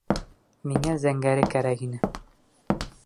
— Миңә зәңгәре кәрәк ине.